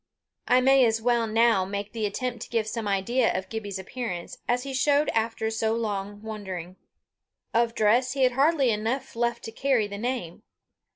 I may as well now make the attempt to give some idea of Gibbie's appearance, as he showed after so long wandering. Of dress he had hardly enough left to carry the name.